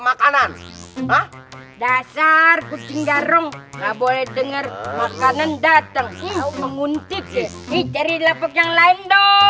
makanan hah dasar kucing garung nggak boleh denger makanan dateng menguntit di cari lepok yang lain